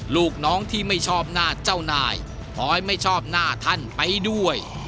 ลูกน้องที่ไม่ชอบหน้าเจ้านายขอให้ไม่ชอบหน้าท่านไปด้วย